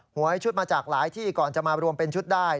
หวยชุดมาจากหลายที่ก่อนจะมารวมเป็นชุดได้